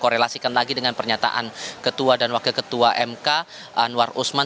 korelasikan lagi dengan pernyataan ketua dan wakil ketua mk anwar usman